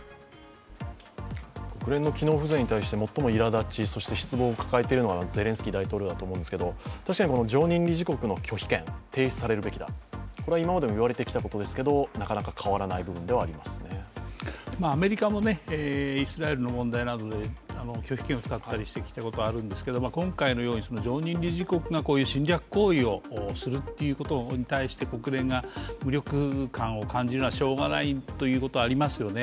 国連の機能不全に対して最ももいらだち、失望を抱いているのはゼレンスキー大統領だと思いますけど確かに常任理事国の拒否権、提出されるべきだ、これは今までも言われてきたことですけど、アメリカもイスラエルの問題などで拒否権を使ってきたことはあるんですけど今回のように常任理事国が侵略行為をするということに対して国連が無力感を感じるのはしようがないということはありますよね。